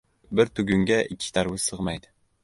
• Bir tugunga ikki tarvuz sig‘maydi.